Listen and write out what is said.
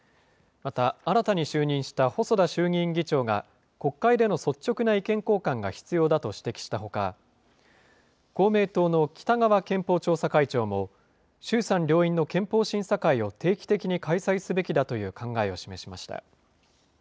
また新たに就任した細田衆議院議長が、国会での率直な意見交換が必要だと指摘したほか、公明党の北側憲法調査会長も、衆参両院の憲法審査会を定期的に開催すべきだという考えを示しました。